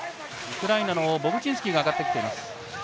ウクライナのボブチンスキーが上がってきています。